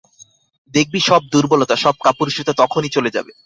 দেখবি সব দুর্বলতা, সব কাপুরুষতা তখনই চলে যাবে।